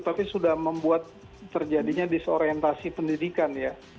tapi sudah membuat terjadinya disorientasi pendidikan ya